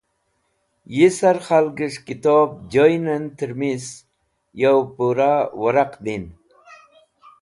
Yisar khalges̃h kitob jiynẽn tẽr miss yo pũra wẽraq din.